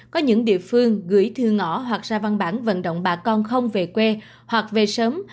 có những địa phương gửi thư ngõ hoặc ra văn bản vận động bà con không về quê hoặc về sớm